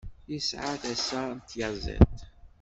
Yesɛa tasa n tyaẓiḍt.